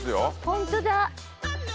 本当だ。